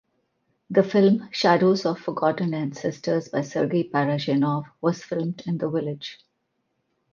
The film Shadows of Forgotten Ancestors by Sergei Parajanov was filmed in the village.